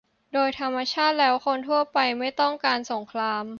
โดยธรรมชาติแล้วคนทั่วไปไม่ต้องการสงคราม